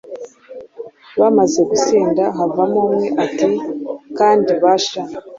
Bamaze gusinda havamo umwe ati « Kandi ba sha,